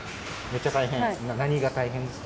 めっちゃ大変です。